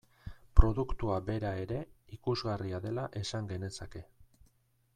Produktua bera ere ikusgarria dela esan genezake.